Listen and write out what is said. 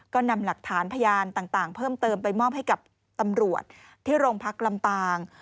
ก็นำหลักฐานพยานต่างเพิ่มเติมไปมอบให้กับตำรวจที่โรงพักลำปาง